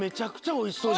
おいしそう！